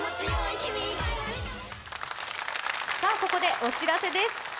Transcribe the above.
ここでお知らせです。